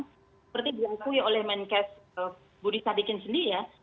seperti diakui oleh menkes budi sadikin sendiri ya